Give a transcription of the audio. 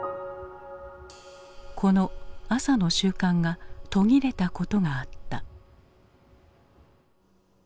この朝の習慣が途切れたことがあった。